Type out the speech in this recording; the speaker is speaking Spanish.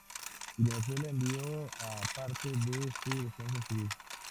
Y Venezuela envió a parte de su Defensa Civil.